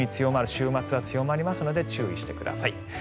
週末は強まりますので注意してください。